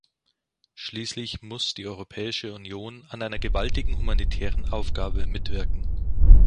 Schließlich muss die Europäische Union an einer gewaltigen humanitären Aufgabe mitwirken.